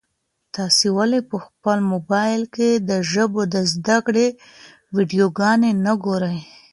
تاسي ولي په خپل موبایل کي د ژبو د زده کړې ویډیوګانې نه ګورئ؟